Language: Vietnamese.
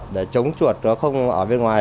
để chống chuột nó không ở bên ngoài